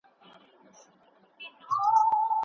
تاوېدم لکه پېچک له ارغوانه